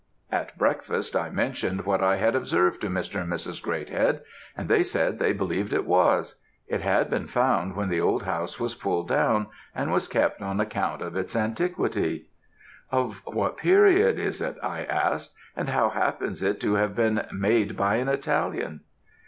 "At breakfast, I mentioned what I had observed to Mr. and Mrs. Greathead, and they said they believed it was; it had been found when the old house was pulled down, and was kept on account of its antiquity. "'Of what period is it,' I asked, 'and how happens it to have been made by an Italian?'